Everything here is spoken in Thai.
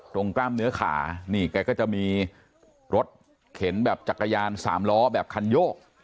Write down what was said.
กล้ามเนื้อขานี่แกก็จะมีรถเข็นแบบจักรยานสามล้อแบบคันโยก